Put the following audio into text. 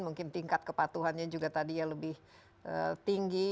mungkin tingkat kepatuhannya juga tadi ya lebih tinggi